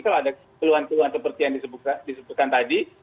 kalau ada keluhan keluhan seperti yang disebutkan tadi